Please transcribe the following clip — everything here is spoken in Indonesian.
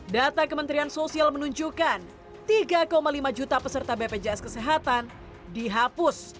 data kementerian sosial menunjukkan tiga lima juta peserta bpjs kesehatan dihapus